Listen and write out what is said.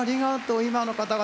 今の方々